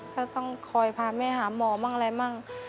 ก็ต้องคอยพาแม่หาหมอบ้างอะไรมั่ง